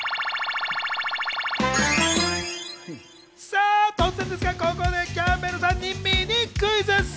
さあ、突然ですが、ここでキャンベルさんにミニクイズッス！